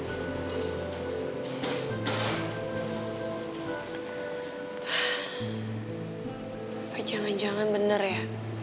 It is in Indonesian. apa jangan jangan benar ya